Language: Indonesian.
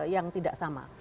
yang tidak sama